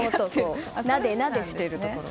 なでなでしてるところ。